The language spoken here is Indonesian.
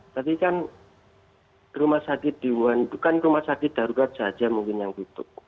tapi kan rumah sakit di wuhan itu kan rumah sakit darurat saja mungkin yang tutup